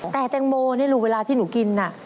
แต่แตงโมนี่ลูกเวลาที่หนูกินน่ะ